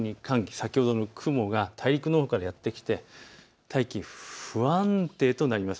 先ほどの雲が大陸のほうからやって来て大気、不安定となります。